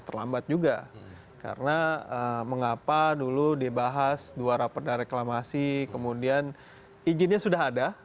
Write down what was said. terlambat juga karena mengapa dulu dibahas dua rapor dan reklamasi kemudian izinnya sudah ada